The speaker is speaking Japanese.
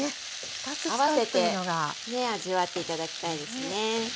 合わせて味わって頂きたいですね。